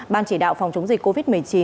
ban chỉ đạo phòng chống dịch covid một mươi chín